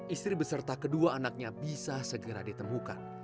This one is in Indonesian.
istri beserta kedua anaknya bisa segera ditemukan